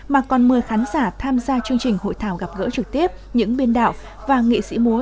mà còn mời khán giả tham gia chương trình hội thảo gặp gỡ trực tiếp những biên đạo và nghệ sĩ múa